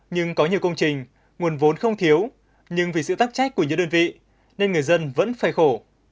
nhưng có nhiều công trình nguồn vốn không thiếu nhưng vì sự tác trách của những đơn vị nên người dân vẫn phải khổ